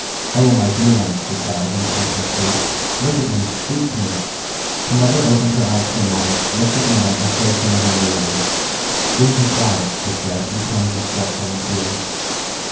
"Oh, my dear one!" she cried, in a passion of grief, "look at me! speak to me!" The mother opened her eyes for a moment looked at Minna and closed them again wearily. "Leave me quiet," she said, in tones of fretful entreaty.